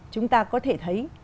chúng ta có thể thấy